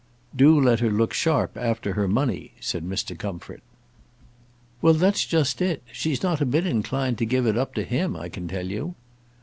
"Do let her look sharp after her money," said Mr. Comfort. "Well, that's just it. She's not a bit inclined to give it up to him, I can tell you."